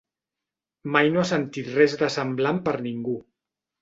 Mai no ha sentit res de semblant per ningú.